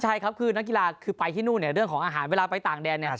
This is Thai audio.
ใช่ครับคือนักกีฬาคือไปที่นู่นเนี่ยเรื่องของอาหารเวลาไปต่างแดนเนี่ย